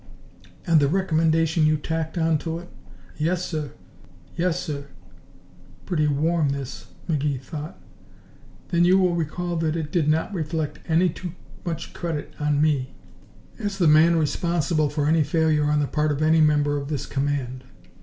"And the recommendation you tacked on to it?" "Yes, sir." Pretty warm, this, McGee thought. "Then you will recall that it did not reflect any too much credit on me, as the man responsible for any failure on the part of any member of this command.